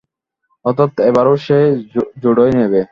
অর্থাৎ এবারও সে জোড়ই নেবে।